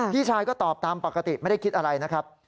พี่ชายก็ตอบตามปกติไม่ได้คิดอะไรนะครับ